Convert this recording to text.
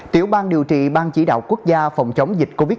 tiểu bang điều trị bang chỉ đạo quốc gia phòng chống dịch covid một mươi chín